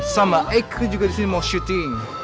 sama eiko juga di sini mau syuting